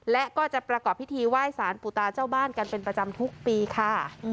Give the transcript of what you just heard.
และก็จะประกอบพิธีไหว้สารปู่ตาเจ้าบ้านกันเป็นประจำทุกปีค่ะ